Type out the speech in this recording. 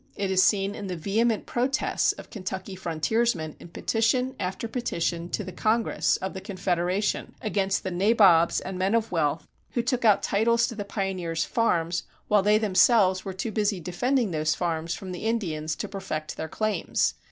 It is seen in the vehement protests of Kentucky frontiersmen in petition after petition to the Congress of the Confederation against the "nabobs" and men of wealth who took out titles to the pioneers' farms while they themselves were too busy defending those farms from the Indians to perfect their claims.